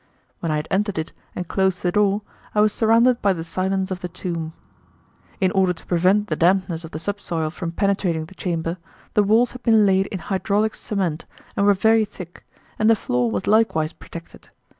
When I had entered it and closed the door, I was surrounded by the silence of the tomb. In order to prevent the dampness of the subsoil from penetrating the chamber, the walls had been laid in hydraulic cement and were very thick, and the floor was likewise protected.